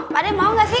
pak deh mau gak sih